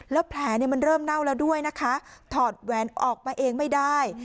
แล้วแผลมันเริ่มเน่าแล้วด้วยนะคะถอดแหวนออกมาเองไม่ได้